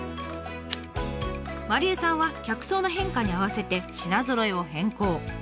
麻梨絵さんは客層の変化に合わせて品ぞろえを変更。